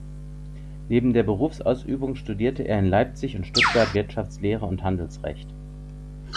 Neben der Berufsausübung studierte er in Leipzig und Stuttgart Wirtschaftslehre und Handelsrecht.